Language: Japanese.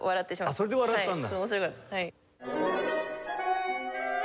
あっそれで笑ってたんだ。